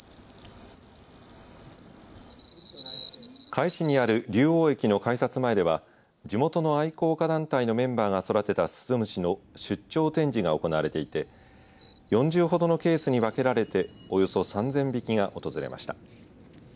甲斐市にある竜王駅の改札前では地元の愛好家団体のメンバーが育てたスズムシの出張展示が行われていて４０ほどのケースに分けられておよそ３０００匹が訪れました。